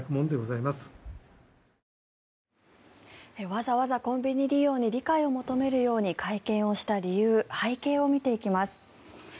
わざわざコンビニ利用に理解を求めるよう会見をした理由、背景を見ていきます。